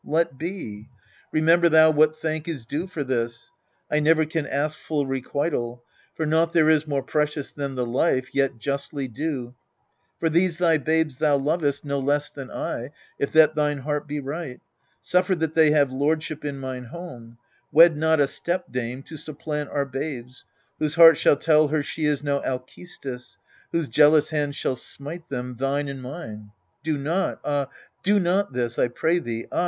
Let be : remember thou what thank is due For this : I never can ask full requital ; For naught there is more precious than the life Yet justly due : for these thy babes thou lovest No less than I, if that thine heart be, right. Suffer that they have lordship in mine home : Wed not a stepdame to supplant our babes, Whose heart shall tell her she is no Alcestis, Whose jealous hand shall smite them, thine and mine. Do not, ah ! do not this I pray thee, I.